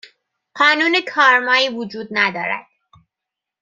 قانون کارمایی وجود ندارد